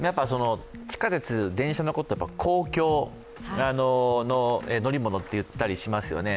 地下鉄、電車のことを公共の乗り物と言ったりしますよね。